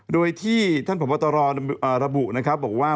โดยที่ท่านพบตรระบุนะครับบอกว่า